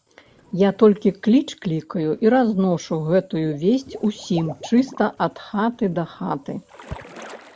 Я толькі кліч клікаю і разношу гэтую весць усім чыста ад хаты да хаты.